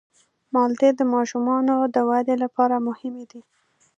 مالټې د ماشومانو د ودې لپاره مهمې دي.